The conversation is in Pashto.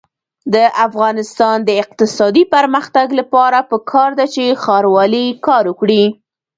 د افغانستان د اقتصادي پرمختګ لپاره پکار ده چې ښاروالي کار وکړي.